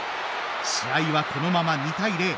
試合は、このまま２対０。